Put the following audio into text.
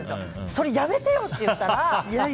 それ、やめてよ！って言ったら。